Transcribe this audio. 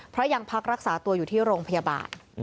เพราะยังพักรักษาตัวอยู่ที่โรงพยาบาล